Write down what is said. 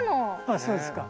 ああそうですか。